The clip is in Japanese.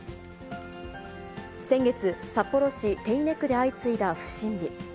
先月、札幌市手稲区で相次いだ不審火。